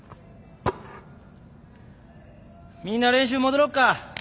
みんな練習戻ろっか。